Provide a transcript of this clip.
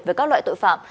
với các loại tội phạm